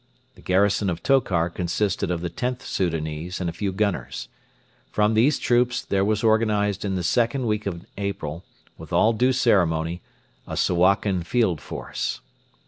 The garrison of Tokar consisted of the Xth Soudanese and a few gunners. From these troops there was organised in the second week in April, with all due ceremony, a 'Suakin Field Force.'